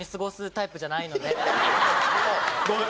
ごめん。